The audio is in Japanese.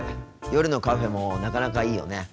夜のカフェもなかなかいいよね。